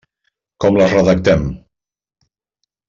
Com les redactem?